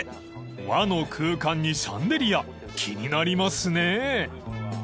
［和の空間にシャンデリア気になりますね！］